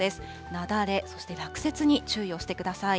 雪崩、そして落雪に注意をしてください。